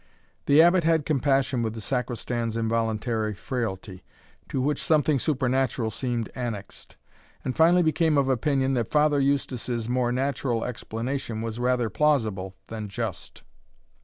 The Abbot had compassion with the Sacristan's involuntary frailty, to which something supernatural seemed annexed, and finally became of opinion, that Father Eustace's more natural explanation was rather plausible than just.